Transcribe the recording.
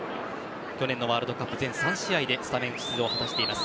去年のワールドカップ全３試合でスタメン出場を果たしています。